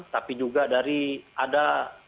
tapi juga dari ada